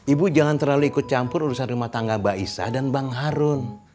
ibu jangan terlalu ikut campur urusan rumah tangga baisah dan bang harun